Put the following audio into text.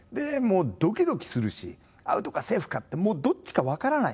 どきどきするしアウトかセーフかってどっちか分からない。